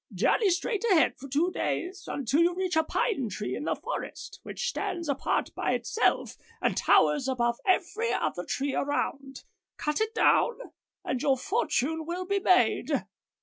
Journey straight ahead for two days, until you reach a pine tree in the forest, which stands apart by itself, and towers above every other tree around. Cut it down and your fortune will be made.